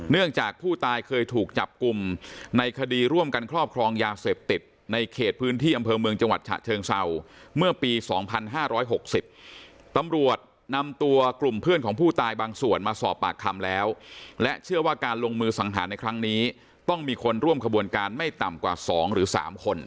จากผู้ตายเคยถูกจับกลุ่มในคดีร่วมกันครอบครองยาเสพติดในเขตพื้นที่อำเภอเมืองจังหวัดฉะเชิงเศร้าเมื่อปี๒๕๖๐ตำรวจนำตัวกลุ่มเพื่อนของผู้ตายบางส่วนมาสอบปากคำแล้วและเชื่อว่าการลงมือสังหารในครั้งนี้ต้องมีคนร่วมขบวนการไม่ต่ำกว่า๒หรือ๓คน